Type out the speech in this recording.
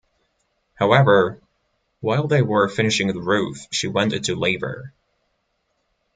However, while they were finishing the roof, she went into labor.